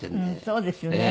そうですよね。